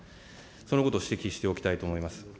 そのことを指摘しておきたいと思います。